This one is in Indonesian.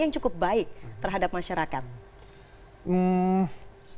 yang cukup baik terhadap masyarakat